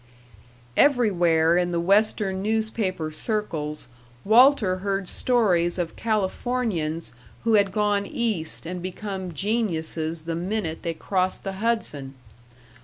Everywhere in the Western newspaper circles Walter heard stories of Californians who had gone East and become geniuses the minute they crossed the Hudson....